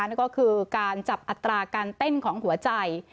นั่นก็คือการจับอัตราการเต้นของหัวใจ